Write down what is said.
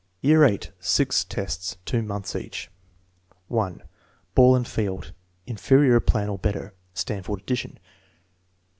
Year VIII. (6 tests, 2 months each.) L Ball and field. (Inferior plan or better.) (Stanford addi tion.)